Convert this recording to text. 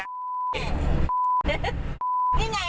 นี่ไง๕๘๐